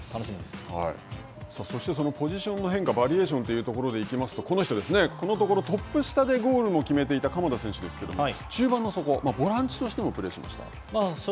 そしてそのポジションの変化、バリエーションということでいうと、この人ですね、このところ、トップ下でゴールを決めていた鎌田選手ですけれども、中盤のボランチでもプレーしました。